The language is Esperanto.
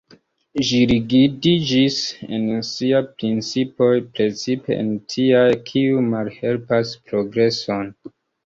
Ĝi rigidiĝis en siaj principoj, precipe en tiaj kiuj malhelpas progreson.